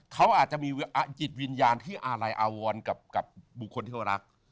เขาอาจจะมีจิตวิญญาณที่อาลัยอาวรกับบุคคลที่เขารัก